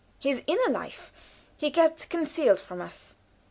His inner life he kept concealed from us.